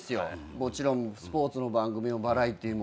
もちろんスポーツの番組もバラエティーも。